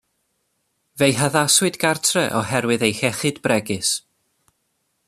Fe'i haddysgwyd gartref oherwydd ei hiechyd bregus.